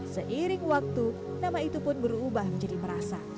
seiring waktu nama itu pun berubah menjadi merasa